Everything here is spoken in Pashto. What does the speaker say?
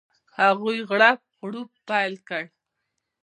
هغوی غړپ غړوپ پیل کړي.